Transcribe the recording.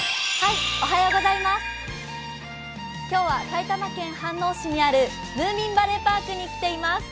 今日は埼玉県飯能市にあるムーミンバレーパークに来ています。